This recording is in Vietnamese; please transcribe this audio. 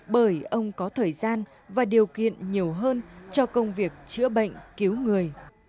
bởi ông có thời gian và điều kiện nhiều hơn cho công việc chữa bệnh cứu người